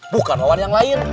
bukan wawan yang lain